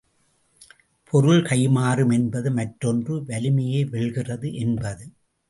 பொருள் கை மாறும் என்பது மற்றொன்று வலிமையே வெல்கிறது என்பது.